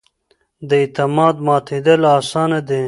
د اعتماد ماتېدل اسانه دي